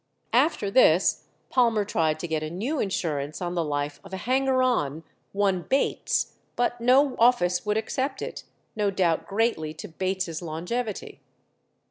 After this Palmer tried to get a new insurance on the life of a hanger on, one Bates, but no office would accept it, no doubt greatly to Bates's longevity.